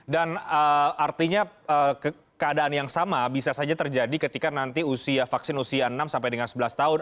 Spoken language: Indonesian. dan artinya keadaan yang sama bisa saja terjadi ketika nanti usia vaksin usia enam sampai dengan sebelas tahun